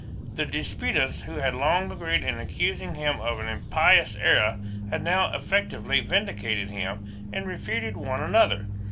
The disputants who had long agreed in accusing him of an impious error had now effectually vindicated him, and refuted one another.